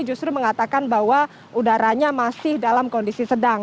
justru mengatakan bahwa udaranya masih dalam kondisi sedang